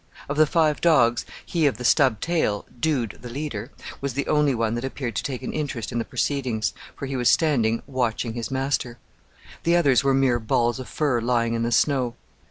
Of the five dogs he of the stub tail Dude the leader was the only one that appeared to take an interest in the proceedings, for he was standing watching his master. The others were mere balls of fur lying in the snow.